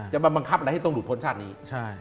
จะมาบังคับอะไรให้ต้องดูดพ้นชาตินี้